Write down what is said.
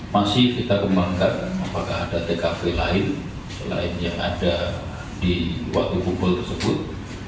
masih kita kembangkan apakah ada tkp lain yang ada di waduk bukul tersebut